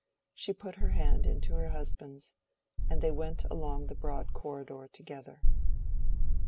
She put her hand into her husband's, and they went along the broad corridor together.